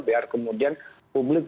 biar kemudian publik